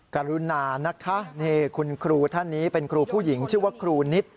กรุณานะคะนี่คุณครูท่านนี้เป็นครูผู้หญิงชื่อว่าครูนิต